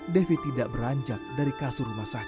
devi tidak beranjak dari kasur rumah sakit